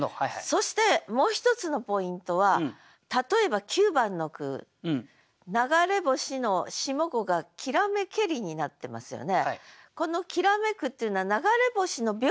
そしてもう一つのポイントは例えば９番の句「流れ星」の下五が「煌めけり」になってますよね。